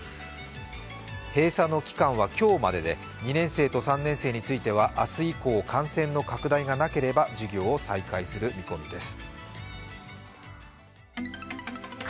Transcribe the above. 閉鎖の期間は今日までで２年生と３年生については明日以降、感染の拡大がなければ授業を再開する見込みです。